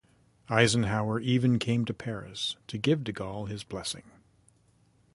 Eisenhower even came to Paris to give De Gaulle his blessing.